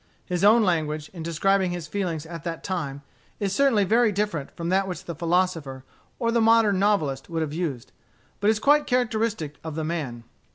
His own language, in describing his feelings at that time, is certainly very different from that which the philosopher or the modern novelist would have used, but it is quite characteristic of the man.